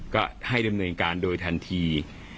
ก็ให้ดำเนินการโดยทันที